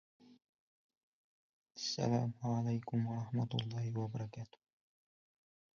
He continued his education in Polotsk specializing in study of philosophy and theology.